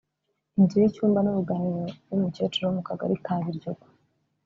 Inzu y’icyumba n’uruganiriro y’umukecuru wo mu Kagari ka Biryogo